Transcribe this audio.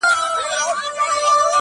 احساس هم کوي,